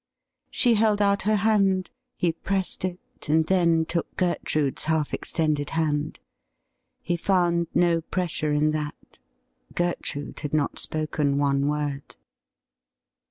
'' She held out her hand; he pressed it, and then took Gertrude's half extended hand. He found no pressure in that. Gertrude had not spoken one word.